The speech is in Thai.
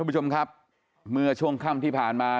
คุณผู้ชมครับเมื่อช่วงค่ำที่ผ่านมา